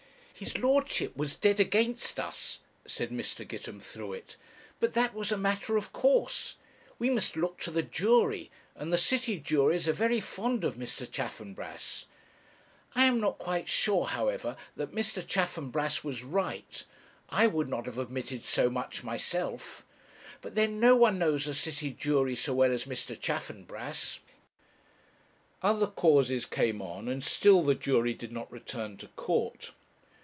'His lordship was dead against us,' said Mr. Gitemthruet; 'but that was a matter of course; we must look to the jury, and the city juries are very fond of Mr. Chaffanbrass; I am not quite sure, however, that Mr. Chaffanbrass was right: I would not have admitted so much myself; but then no one knows a city jury so well as Mr. Chaffanbrass.' Other causes came on, and still the jury did not return to court.